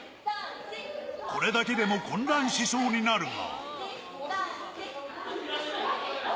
これだけでも混乱しそうになるが。